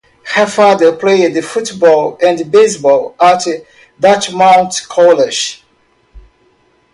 Her father played football and baseball at Dartmouth College.